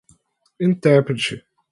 intérprete